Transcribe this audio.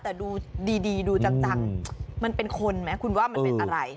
แต่ดูดีดูจังมันเป็นคนไหมคุณว่ามันเป็นอะไร